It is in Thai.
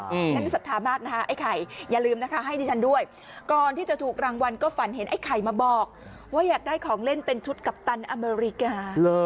ฉันศรัทธามากนะคะไอ้ไข่อย่าลืมนะคะให้ดิฉันด้วยก่อนที่จะถูกรางวัลก็ฝันเห็นไอ้ไข่มาบอกว่าอยากได้ของเล่นเป็นชุดกัปตันอเมริกา